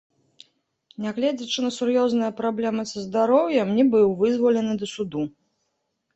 Нягледзячы на сур'ёзныя праблемы са здароўем, не быў вызвалены да суду.